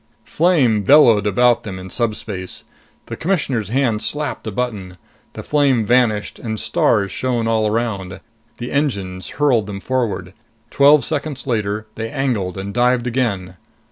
Flame bellowed about them in subspace. The Commissioner's hand slapped a button. The flame vanished and stars shone all around. The engines hurled them forward. Twelve seconds later, they angled and dived again.